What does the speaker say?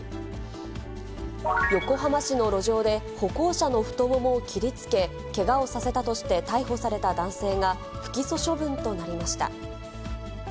横浜市の路上で、歩行者の太ももを切りつけ、けがをさせたとして逮捕された男性が、不起訴処分となりました。